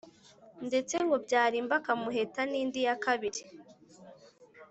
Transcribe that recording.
ndetse ngo byarimba akamuheta n' indi ya kabiri.